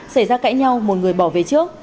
xảy ra cãi nhau một người bỏ về trước